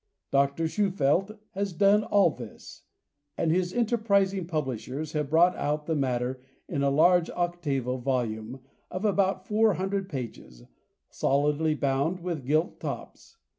Dr. Shufeldt has done all this, and his enterprising publishers have brought out the matter in a large octavo volume of about four hundred pages, solidly bound, with gilt tops.